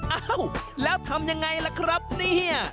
อ้าวแล้วทำอย่างไรล่ะครับนี่